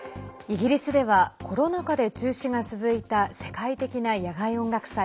イギリスではコロナ禍で中止が続いた世界的な野外音楽祭